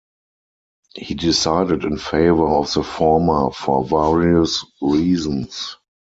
He decided in favour of the former for various reasons.